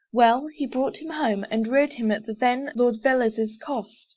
Well, he brought him home, And reared him at the then Lord Velez' cost.